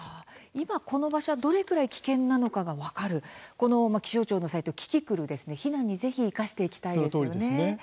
今この場所がどのぐらい危険なのか分かる気象庁のサイト、キキクル避難にぜひ生かしていきたいですね。